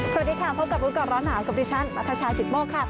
สวัสดีค่ะพบกับร้อนหาวกับดิฉันมัทชาถิ่นโมกค่ะ